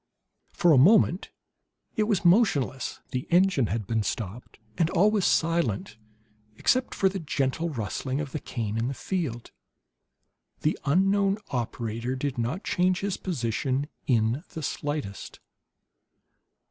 For a moment it was motionless; the engine had been stopped, and all was silent except for the gentle rustling of the cane in the field. The unknown operator did not change his position in the slightest.